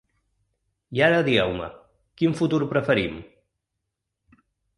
I ara digueu-me, quin futur preferim?